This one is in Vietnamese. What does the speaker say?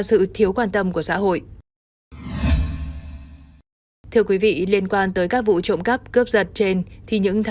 sự thiếu quan tâm của xã hội thưa quý vị liên quan tới các vụ trộm cắp cướp giật trên thì những